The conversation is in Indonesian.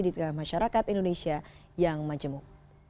di tengah masyarakat indonesia yang majemuk